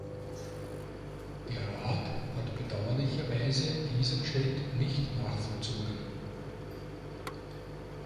Der Rat hat bedauerlicherweise diesen Schritt nicht nachvollzogen.